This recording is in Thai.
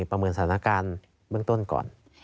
ประเมินสถานการณ์เบื้องต้นก่อน